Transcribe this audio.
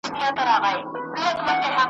زه دي هم یمه ملګری ما هم بوزه ,